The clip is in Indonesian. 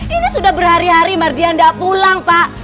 ini sudah berhari hari mardian tidak pulang pak